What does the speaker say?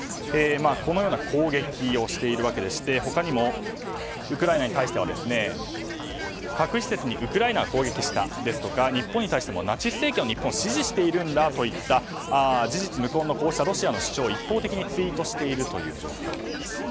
このような口撃をしているわけでして他にもウクライナに対しては核施設にウクライナが攻撃したですとか日本に対しても、ナチス政権を日本が支持しているんだという事実無根のロシアの主張を一方的にツイートしているという状況なんです。